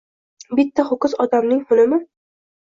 Bitta ho‘kiz odamning xunimi